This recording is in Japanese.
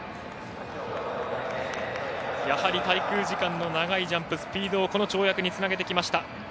やはり滞空時間の長いジャンプスピードをこの跳躍につなげてきました。